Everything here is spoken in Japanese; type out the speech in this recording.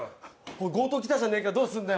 強盗きたじゃねえかどうするんだよ。